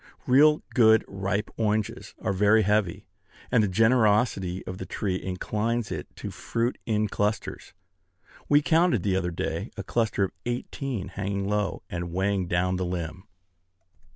Real good ripe oranges are very heavy; and the generosity of the tree inclines it to fruit in clusters. We counted, the other day, a cluster of eighteen, hanging low, and weighing down the limb.